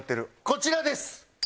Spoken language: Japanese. こちらです。